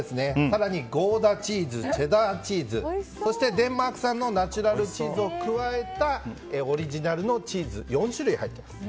更にゴーダチーズチェダーチーズそしてデンマーク産のナチュラルチーズを加えたオリジナルのチーズ４種類、入っています。